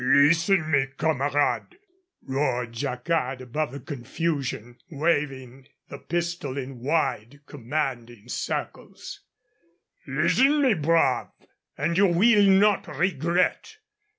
"Listen, mes camarades!" roared Jacquard above the confusion, waving the pistol in wide, commanding circles. "Listen, mes braves, and you will not regret.